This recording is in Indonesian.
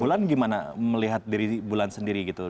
bulan gimana melihat diri bulan sendiri gitu